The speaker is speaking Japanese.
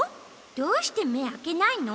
どうしてめあけないの？